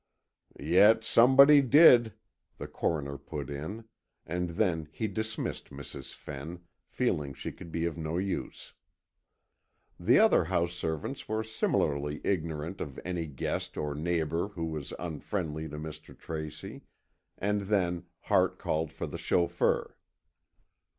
"Yet somebody did," the Coroner put in, and then he dismissed Mrs. Fenn, feeling she could be of no use. The other house servants were similarly ignorant of any guest or neighbour who was unfriendly to Mr. Tracy, and then Hart called for the chauffeur.